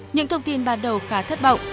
những thông tin ban đầu khá thất bậu